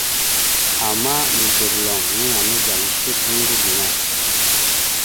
Ama modorloŋ, yan ana zal shek ga oŋgo gaŋa.